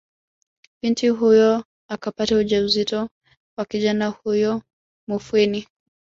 Binti huyo akapata ujauzito wa kijana huyo Mufwini